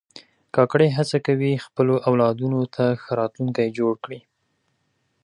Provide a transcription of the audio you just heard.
کاکړي هڅه کوي خپلو اولادونو ته ښه راتلونکی جوړ کړي.